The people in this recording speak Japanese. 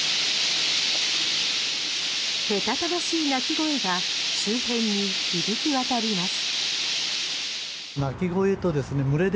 けたたましい鳴き声が周辺に響き渡ります。